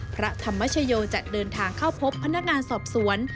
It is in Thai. พระธรรมชโยจะเดินทางเข้าพบพนักงานสอบสวน